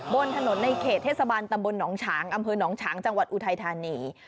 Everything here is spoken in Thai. บนถนนในเขตเทศบาลตำบลหนองฉางอำเภอหนองฉางจังหวัดอุทัยธานี